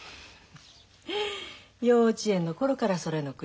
幼稚園の頃からそれの繰り返し。